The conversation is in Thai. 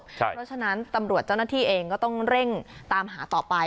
เพราะฉะนั้นตำรวจเจ้าหน้าที่เองก็ต้องเร่งตามหาต่อไป